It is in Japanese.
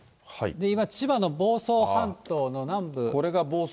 今、千葉の房総半島の南部。